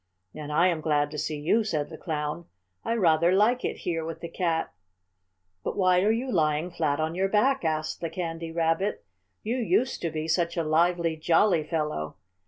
"And I am glad to see you," said the Clown. "I rather like it here with the Cat." "But why are you lying flat on your back?" asked the Candy Rabbit. "You used to be such a lively, jolly fellow.